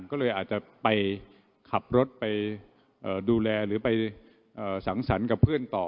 ก็เลยอาจจะไปขับรถไปดูแลหรือไปสังสรรค์กับเพื่อนต่อ